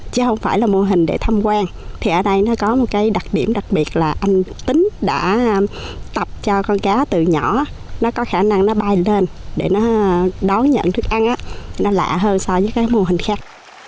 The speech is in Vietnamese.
chứ không phải là mô hình để tham quan thì ở đây nó có một cái đặc điểm đặc biệt là anh tính đã tập cho con cá từ nhỏ nó có khả năng nó bay lên để nó đón nhận thức ăn nó lạ hơn so với cái mô hình khác